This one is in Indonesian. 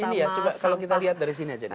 ini ya coba kalau kita lihat dari sini aja